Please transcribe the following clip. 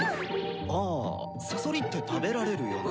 あサソリって食べられるよな。